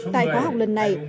tại khóa học lần này